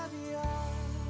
sampai jumpa lagi